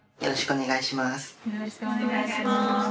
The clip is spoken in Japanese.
よろしくお願いします。